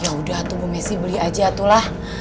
ya udah tuh bu messi beli aja itulah